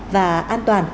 và an toàn